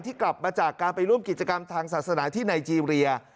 กลับมาจากการไปร่วมกิจกรรมทางศาสนาที่ไนเจรีย